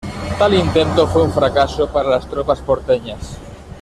Tal intento fue un fracaso para las tropas porteñas.